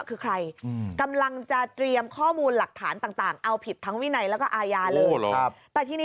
คือเราไม่ตั้งประเด็นเองนะ